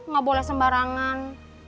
gak boleh sembarangan